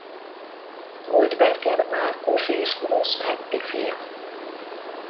Goldberger Márkus és Grosz Betti fia.